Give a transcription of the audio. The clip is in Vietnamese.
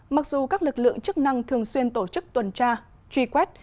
mặc dù các lực lượng chức năng thường xuyên tổ chức tuần tra truy quét